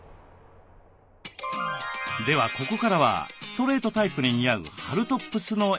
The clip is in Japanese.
ではここからはストレートタイプに似合う春トップスの選び方。